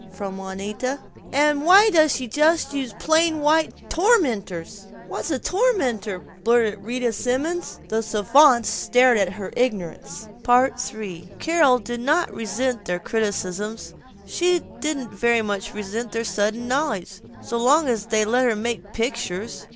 from Juanita. "And why does she just use plain white tormenters?" "What's a tormenter?" blurted Rita Simons. The savants stared at her ignorance. III Carol did not resent their criticisms, she didn't very much resent their sudden knowledge, so long as they let her make pictures.